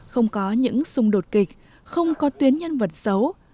không có những xung đột kịch không có tuyến nhân vật xấu